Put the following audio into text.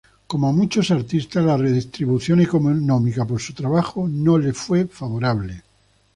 Como a muchos artistas, la retribución económica por su trabajo no le fue favorable.